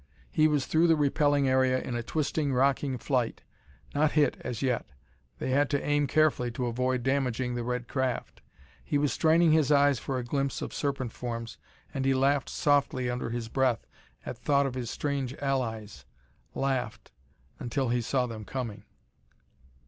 He was through the repelling area in a twisting, rocking flight. Not hit as yet; they had to aim carefully to avoid damaging the red craft.... He was straining his eyes for a glimpse of serpent forms, and he laughed softly under his breath at thought of his strange allies. Laughed! until he saw them coming.